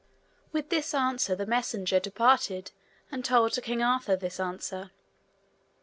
With this answer the messengers departed and told to King Arthur this answer.